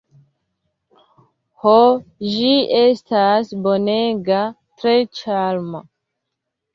Ho, ĝi estas bonega, tre ĉarma!